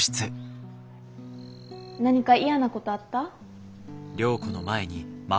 何か嫌なことあった？